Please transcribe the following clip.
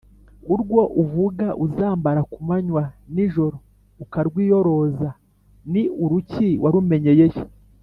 urwo uvuga uzambara ku manywa nijoro ukarwiyoroza ni uruki warumenyeye he?”